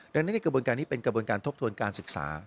ดังนั้นในกระบวนการนี้เป็นกระบวนการทบทวนการศึกษา